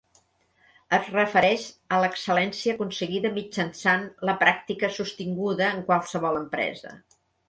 Es refereix a l'excel·lència aconseguida mitjançant la pràctica sostinguda en qualsevol empresa.